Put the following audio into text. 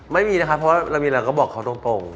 ไม่มีนะครับเพราะว่าเรามีอะไรก็บอกเขาตรง